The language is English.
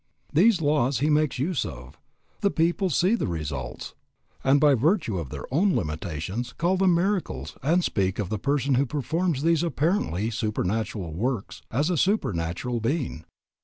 These laws he makes use of; the people see the results, and by virtue of their own limitations, call them miracles and speak of the person who performs these apparently supernatural works as a supernatural being.